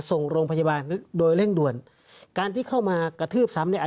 ส่งโรงพยาบาลโดยเร่งด่วนการที่เข้ามากระทืบซ้ำเนี่ย